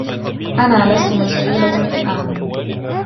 أنا لستُ مشغولة الأن.